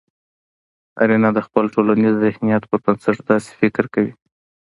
نارينه د خپل ټولنيز ذهنيت پر بنسټ داسې فکر کوي